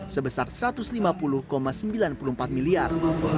sebesar satu ratus lima puluh sembilan puluh empat miliar